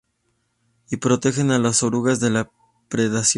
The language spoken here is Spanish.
Y protegen a las orugas de la predación.